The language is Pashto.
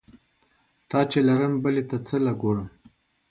تا چې لرم بلې ته څه له ګورم؟